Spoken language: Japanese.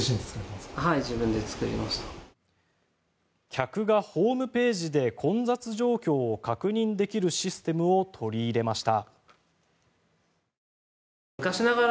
客がホームページで混雑状況を確認できるシステムを取り入れました。